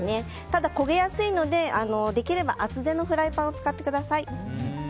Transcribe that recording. ただ、焦げやすいのでできれば厚手のフライパンを使ってください。